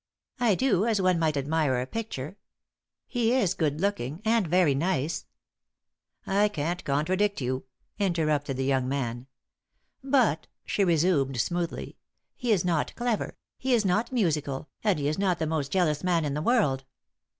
I do, as one might admire a picture. He is good looking and very nice " "I can't contradict you," interrupted the young man. "But," she resumed smoothly, "he is not clever, he is not musical, and he is not the most jealous man in the world."